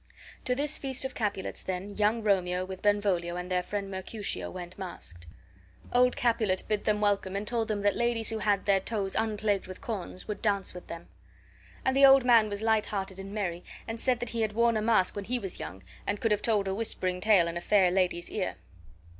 To this feast of Capulets, then, young Romeo, with Benvolio and their friend Mercutio, went masked. Old Capulet bid them welcome and told them that ladies who had their toes unplagued with corns would dance with them. And the old man was light hearted and merry, and said that he had worn a mask when he was young and could have told a whispering tale in a fair lady's ear.